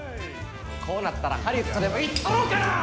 こうなったらハリウッドでも行ったろうかな！